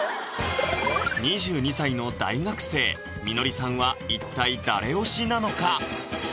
２２歳の大学生・みのりさんは一体誰推しなのか？